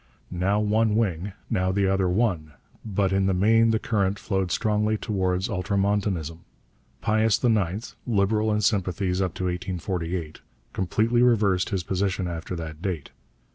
Now one wing, now the other won, but in the main the current flowed strongly towards ultramontanism. Pius IX, liberal in sympathies up to 1848, completely reversed his position after that date.